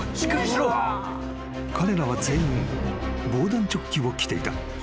［彼らは全員防弾チョッキを着ていた］